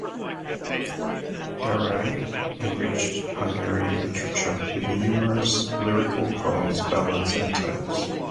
Garay enriched Hungarian literature with numerous lyrical poems, ballads and tales.